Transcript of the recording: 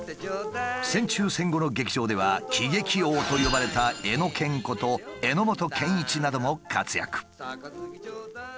戦中戦後の劇場では「喜劇王」と呼ばれたエノケンこと榎本健一なども活躍。